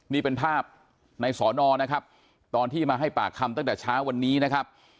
นี่เป็นภาพในสอนอนะครับตอนที่มาให้ปากคำตั้งแต่เช้าวันนี้นะครับ